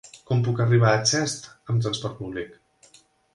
Com puc arribar a Xest amb transport públic?